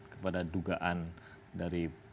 kepada dugaan dari